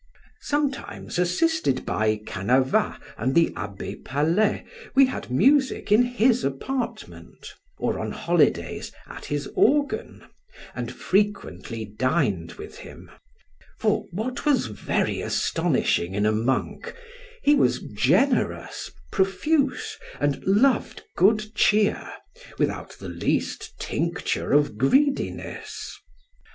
Sometimes assisted by Canavas and the Abbe Palais, we had music in his apartment; or on holidays at his organ, and frequently dined with him; for, what was very astonishing in a monk, he was generous, profuse, and loved good cheer, without the least tincture of greediness.